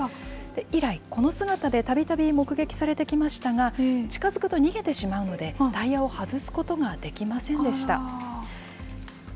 以来、この姿でたびたび目撃されてきましたが、近づくと逃げてしまうので、タイヤを外すことができませんでした。